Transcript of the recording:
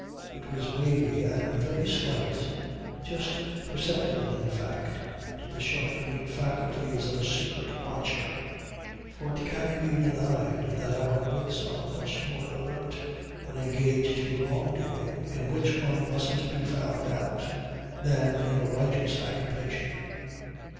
It was wavy and very slight; just perceptible in fact to the sharpened faculties of a secret watcher; for it can't be denied that our wits are much more alert when engaged in wrong doing (in which one mustn't be found out) than in a righteous occupation.